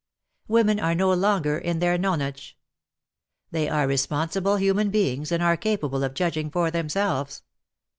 Women are no longer in their nonage. They are responsible human beings, and are capable of judging for themselves.